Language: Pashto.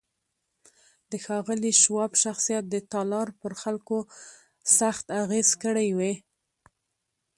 د ښاغلي شواب شخصیت د تالار پر خلکو سخت اغېز کړی و